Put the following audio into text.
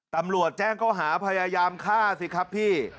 ตำรวจแจ้งเขาหาพยายามฆ่าสิครับพี่